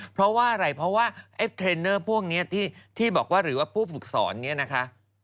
เพราะว่าเทรนเนอร์พวกนี้ที่บอกว่าหรือว่าผู้ฝึกสอนนี้นะคะ